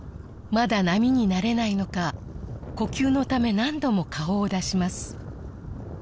まだ波に慣れないのか呼吸のため何度も顔を出します